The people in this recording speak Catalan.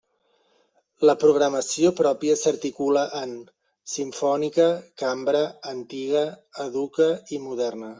La programació pròpia s'articula en: simfònica, cambra, antiga, educa i moderna.